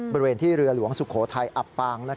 บริเวณที่เรือหลวงสุโขทัยอับปาง